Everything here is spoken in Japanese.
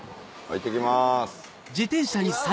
いってきます！